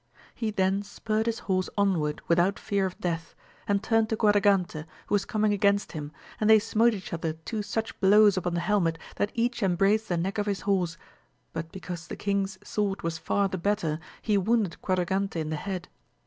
He then spurred his horse onward without fear of death, and turned to Quadragante, who was coming against him, and they smote each other two such blows upon the helmet, that each embraced the neck of his horse; but because the king's sword was far the better, he wounded Quadragante in the head.